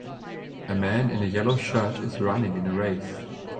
A man in a yellow shirt is running in a race.